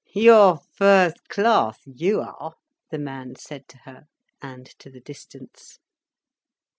"You're first class, you are," the man said to her, and to the distance.